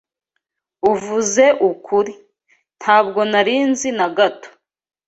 uvuze ukuri, ntabwo nari nzi na gato.